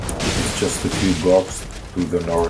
It’s just a few blocks to the North.